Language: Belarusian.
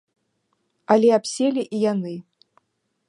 Але абселі і яны.